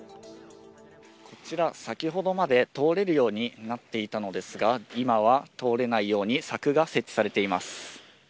こちら、先ほどまで通れるようになっていたのですが今は通れないように柵が設置されています。